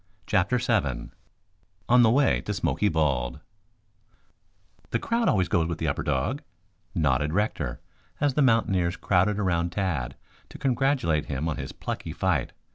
CHAPTER VII ON THE WAY TO SMOKY BALD "The crowd always goes with the upper dog," nodded Rector, as the mountaineers crowded about Tad to congratulate him on his plucky fight.